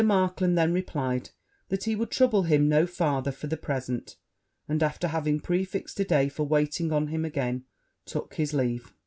Markland then replied, that he would trouble him no farther for the present; and after having prefixed a day for waiting on him again, took his leave.